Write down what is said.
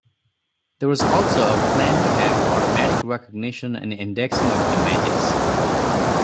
There was also a plan to have automatic recognition and indexing of images.